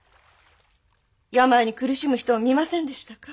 病に苦しむ人を見ませんでしたか？